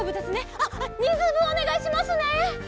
あっあっにんずうぶんおねがいしますね。